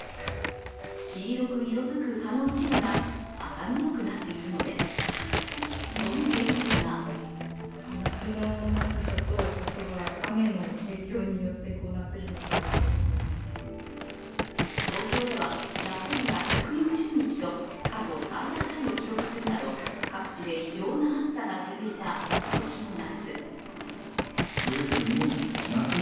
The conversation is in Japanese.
黄色く色づく葉の一部が浅黒くなっているのです、その原因が東京では夏日が１４０日と過去最多タイを記録するなど各地で異常な暑さが続いた今年の夏。